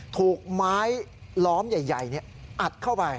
ถูกไม้ล้อมใหญ่อัดเข้าไป